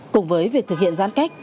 cùng với việc thực hiện giãn cách